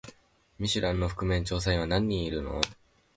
ミシュランの覆面調査員は何人いるの？